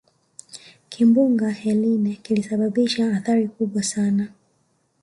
kimbunga eline kilisababisha athari kubwa sana